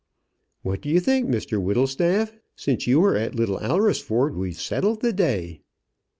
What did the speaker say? "What do you think, Mr Whittlestaff? Since you were at Little Alresford we've settled the day."